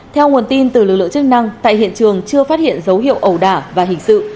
theo nguồn tin từ lực lượng chức năng tại hiện trường chưa phát hiện dấu hiệu ẩu đả và hình sự